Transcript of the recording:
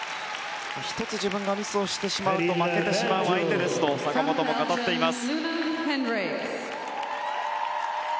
１つ自分がミスをしてしまうと負けてしまう相手ですと坂本も語っています。